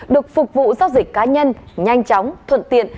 được phục vụ giao dịch cá nhân nhanh chóng thuận tiện